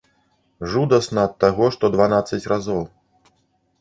Жудасна ад таго, што дванаццаць разоў.